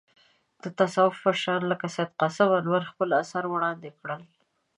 د تصوف مشران لکه سید قاسم انوار خپل اثار وړاندې کړل.